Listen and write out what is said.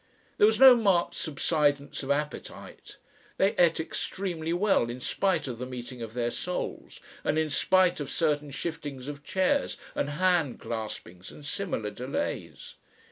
There was no marked subsidence of appetite; they ate extremely well in spite of the meeting of their souls, and in spite of certain shiftings of chairs and hand claspings and similar delays.